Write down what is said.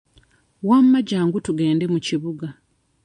Wamma jjangu tugende mu kibuga.